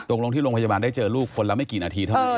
ตกลงที่โรงพยาบาลได้เจอลูกคนละไม่กี่นาทีเท่านั้น